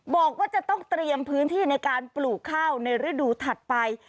บอกว่าจะต้องเตรียมพื้นที่ในการปลูกข้าวในฤดูถัดไป